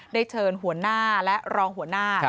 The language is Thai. ได้เชิญหัวหน้าและรองหัวหน้า